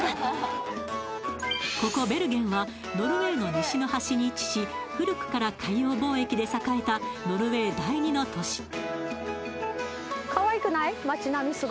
ここベルゲンはノルウェーの西の端に位置し古くから海洋貿易で栄えたノルウェー第２の都市